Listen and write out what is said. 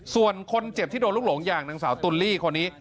ส่วนคนเจ็บที่โดนลูกหลงอย่างนางสาวตุลลี่คนนี้